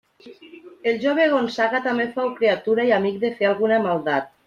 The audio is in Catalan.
El jove Gonçaga també fou criatura i amic de fer alguna maldat.